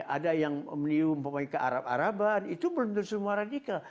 ada yang menyebut kearab araban itu belum tentu semua radikal